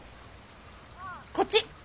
こっち！